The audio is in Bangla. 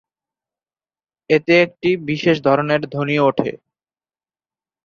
এতে একটি বিশেষ ধরনের ধ্বনি ওঠে।